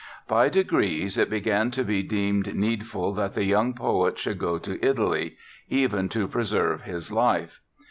By degrees it began to be deemed needful that the young poet should go to Italy, even to preserve his life.